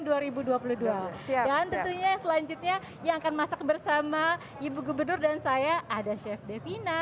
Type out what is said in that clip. dan tentunya selanjutnya yang akan masak bersama ibu gubernur dan saya ada chef devina